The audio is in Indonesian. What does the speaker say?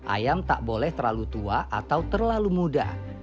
ayam tak boleh terlalu tua atau terlalu muda